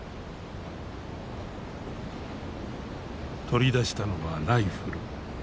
取り出したのはライフル。